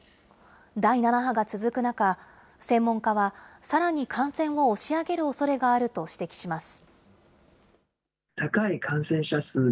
第７波が続く中、専門家は、さらに感染を押し上げるおそれがあると指摘します。